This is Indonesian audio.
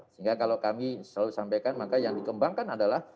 sehingga kalau kami selalu sampaikan maka yang dikembangkan adalah